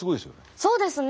そうですね。